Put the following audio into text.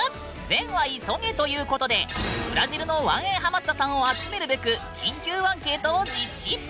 善は急げということでブラジルのワンエンハマったさんを集めるべく緊急アンケートを実施！